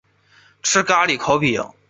吃咖哩烤饼